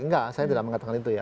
enggak saya tidak mengatakan itu ya